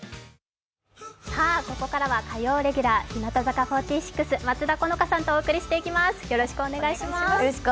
ここからは火曜レギュラー日向坂４６・松田好花さんとお送りしていきます。